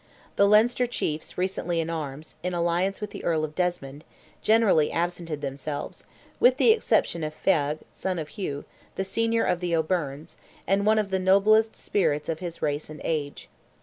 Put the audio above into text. The Leinster chiefs recently in arms, in alliance with the Earl of Desmond, generally absented themselves, with the exception of Feagh, son of Hugh, the senior of the O'Byrnes, and one of the noblest spirits of his race and age.